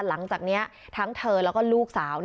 หลังจากนี้ทั้งเธอแล้วก็ลูกสาว